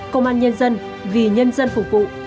công an nhân dân vì nhân dân phục vụ